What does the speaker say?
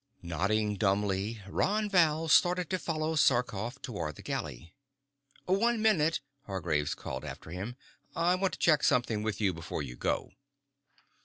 Nodding dumbly, Ron Val started to follow Sarkoff toward the galley. "One minute," Hargraves called after him. "I want to check something with you before you go!"